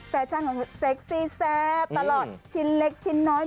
แฟชั่นของเซ็กซี่แซ่บตลอดชิ้นเล็กชิ้นน้อย